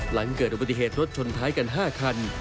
หลังเกิดอุบัติเหตุรถชนท้ายกัน๕คัน